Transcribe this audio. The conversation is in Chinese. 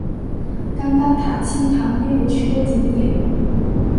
甘丹塔钦旁边有许多景点。